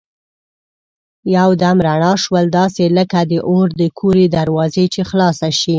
یو دم رڼا شول داسې لکه د اور د کورې دروازه چي خلاصه شي.